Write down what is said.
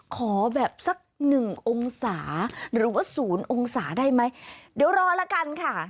ขอแบบสักหนึ่งองศาหรือว่าศูนย์องศาได้ไหมเดี๋ยวรอละกันค่ะ